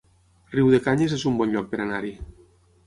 Riudecanyes es un bon lloc per anar-hi